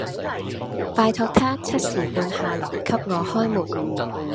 拜託她七時半下樓給我開門